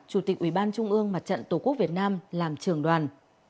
chủ tịch ủy ban trung ương mặt trận tổ quốc việt nam làm trưởng đoàn